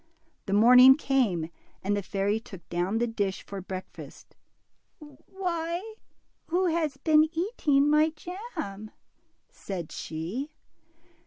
The morning came, and the fairy took down the dish for breakfast. Why, who has been eating my jam?" said she.